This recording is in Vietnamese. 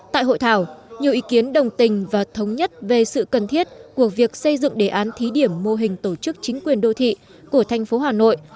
tại hội thảo nhiều ý kiến đồng tình và thống nhất về sự cần thiết của việc xây dựng đề án thí điểm mô hình tổ chức chính quyền đô thị của thành phố hà nội